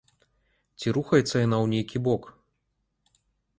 Ці рухаецца яна ў нейкі бок?